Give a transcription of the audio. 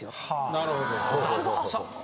なるほど。